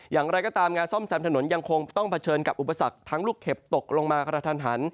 อย่างไรก็ตามงานซ่อมแซมถนนยังคงต้องเผชิญกับอุปสรรคทั้งลูกเข็บตกลงมากระทันหัน